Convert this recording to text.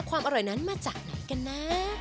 ความอร่อยนั้นมาจากไหนกันนะ